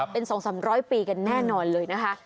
เป็น๒๓๐๐ปีกันแน่นอนเลยนะคะ